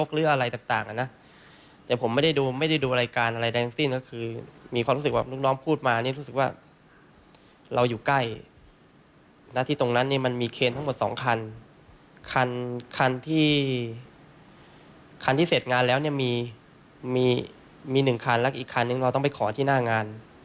คันที่เสร็จงานแล้วมี๑คันและอีกคันนึงเราต้องไปขอที่หน้างาน